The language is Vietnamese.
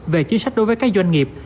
về chính sách đối với các doanh nghiệp